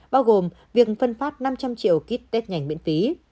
bao gồm việc phân phát năm trăm linh triệu kit test nhanh miễn phí